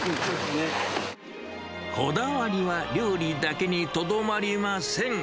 こだわりは料理だけにとどまりません。